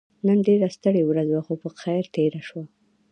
نن ډيره ستړې ورځ وه خو په خير تيره شوه.